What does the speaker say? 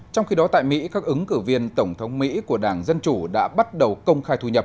trong khi đó tại mỹ các ứng cử viên tổng thống mỹ của đảng dân chủ đã bắt đầu công khai